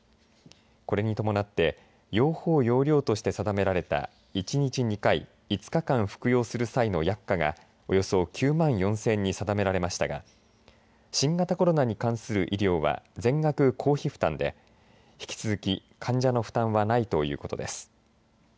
これに伴って用法用量として定められた１日２回５日間、服用する際の薬価がおよそ９万４０００円に定められましたが新型コロナに関する医療は全額、公費負担で引き続き、患者の負担はないということです。